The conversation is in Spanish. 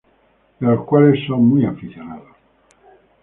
De los cuales son muy aficionados.